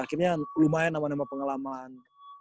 akhirnya lumayan sama sama pengalaman